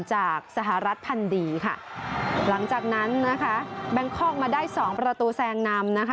จากสหรัฐพันดีค่ะหลังจากนั้นนะคะแบงคอกมาได้สองประตูแซงนำนะคะ